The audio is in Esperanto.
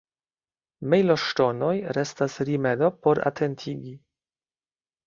Mejloŝtonoj restas rimedo por atentigi.